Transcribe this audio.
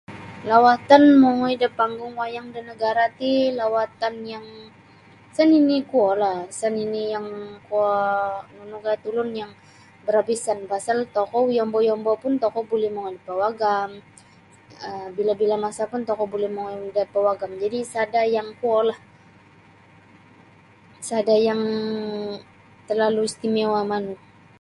Lawatan mongoi da panggung wayang da nagara' ti lawatan yang sa nini' kuolah sa nini' yang kuo nunu gayad ulun yang barabisan pasal tokou yombo'-yombo' pun tokou buli mongoi da pawagam um bila-bila masa pun tokou buli mongoi da pawagam jadi' sada' yang kuolah sada' yang terlalu istimewa manu.